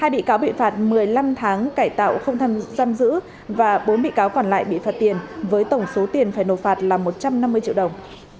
hai bị cáo bị phạt một mươi năm tháng cải tạo không tham giam giữ và bốn bị cáo còn lại bị phạt tiền với tổng số tiền phải nộp phạt là một trăm năm mươi triệu đồng